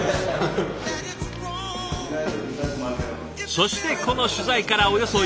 そしてこの取材からおよそ１か月後。